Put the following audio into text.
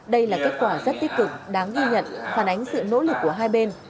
đây là kết quả rất tích cực đáng ghi nhận phản ánh sự nỗ lực của hai bên